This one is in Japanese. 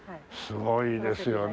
すごいですよね。